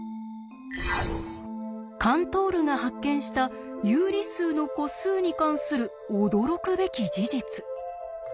カントールが発見した有理数の個数に関する驚くべき事実。